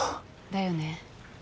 だよね。